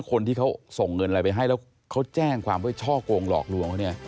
คนที่เขาส่งเงินอะไรไปให้แล้วเขาแจ้งความช่อโกงหลอกหลวง